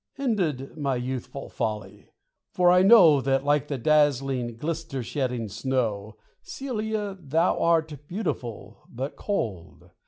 Ended my youthful folly! for I know That, like the dazzling, glister shedding snow, Celia, thou art beautiful, but cold.